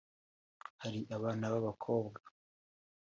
Hari abana ba bakobwa